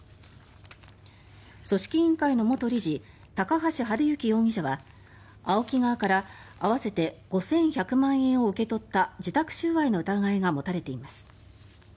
組織委員会の元理事高橋治之容疑者はＡＯＫＩ側から合わせて５１００万円を受け取った受託収賄の疑いが持たれています。